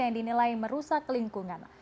yang dinilai merusak lingkungan